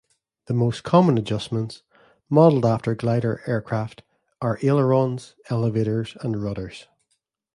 The most common adjustments, modelled after glider aircraft, are ailerons, elevators, and rudders.